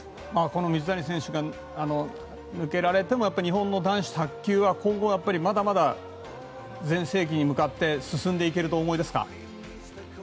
水谷選手が抜けられても日本の男子卓球は今後、まだまだ全盛期に向かって進んでいけるとお思いですか？